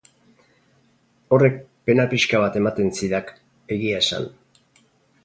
Horrek pena pixka bat ematen zidak, egia esan.